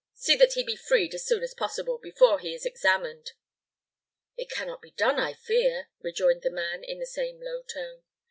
See that he be freed as soon as possible, before he is examined." "It can not be done, I fear," rejoined the man, in the same low tone.